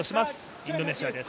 インドネシアです。